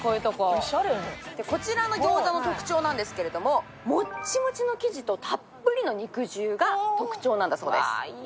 こちらの餃子の特徴なんですが、もちもちの生地とたっぷり肉汁が特徴なんだそうです。